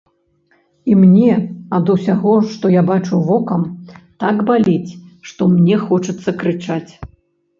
І мне ад усяго, што я бачу вокам, так баліць, што мне хочацца крычаць.